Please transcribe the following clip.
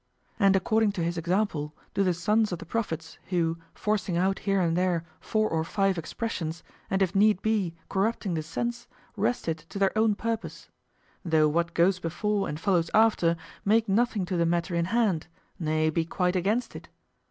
And according to his example do the sons of the prophets, who, forcing out here and there four or five expressions and if need be corrupting the sense, wrest it to their own purpose; though what goes before and follows after make nothing to the matter in hand, nay, be quite against it.